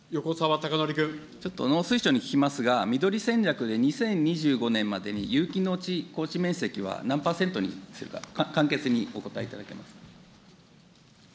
ちょっと、農水省に聞きますが、みどり戦略で２０２５年までに、有機農地耕地面積は、何％にするか、簡潔にお答えいただけますか。